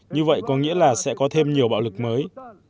như vậy có nghĩa là sẽ có thêm nhiều bạo lực mới